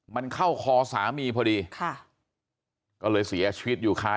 มันเข้าคอสามีพอดีค่ะก็เลยเสียชีวิตอยู่คา